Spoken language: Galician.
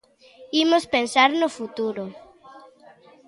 Imos pensar no futuro.